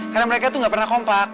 karena mereka tuh gak pernah kompak